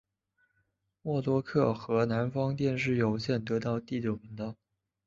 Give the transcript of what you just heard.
默多克和南方电视有线得到了第九频道。